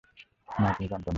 না, তুমি জানতে না।